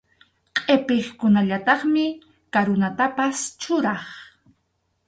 Qʼipiqkunallataqmi karunatapas churaq.